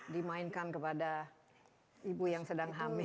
dimainkan kepada ibu yang sedang hamil